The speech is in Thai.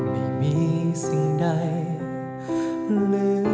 มีเธอชีวิตไม่มีสิ่งใดเหลือบนโลกไปหนี